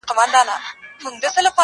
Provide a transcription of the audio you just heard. چنار دي ماته پېغور نه راکوي,